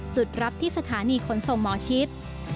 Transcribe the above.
จุดรับที่สถานีขนส่งหมอชิด